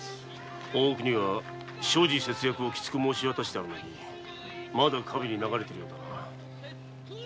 大奥には諸事節約を申し渡してあるのにまだ華美に流れているようだな。